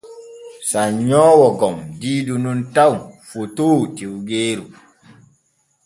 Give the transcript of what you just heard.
Sannyoowo gom diidu nun taw fotoo tiwggeeru.